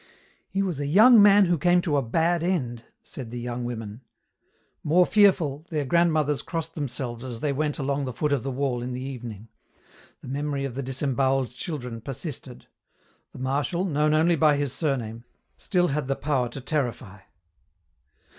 "He was a young man who came to a bad end," said the young women. More fearful, their grandmothers crossed themselves as they went along the foot of the wall in the evening. The memory of the disembowelled children persisted. The Marshal, known only by his surname, still had power to terrify.